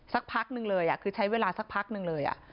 สักพักนึงเลยคือใช้เวลาสักพักหนึ่งเลย